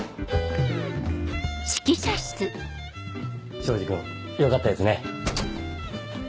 庄司君よかったですね。